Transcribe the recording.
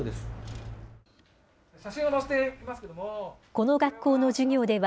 この学校の授業では、